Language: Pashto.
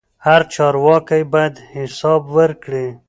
هر چارواکی باید حساب ورکړي